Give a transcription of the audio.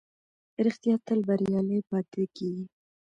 رښتيا تل بريالی پاتې کېږي.